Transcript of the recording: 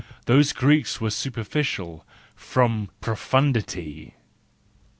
Those Greeks were superficial —;from profundity